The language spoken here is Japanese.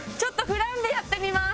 フランベ？